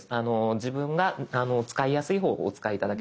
自分が使いやすい方法をお使い頂ければ十分です。